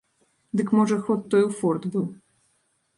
Дык, можа, ход той у форт быў.